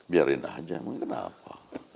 biarin aja emang kenapa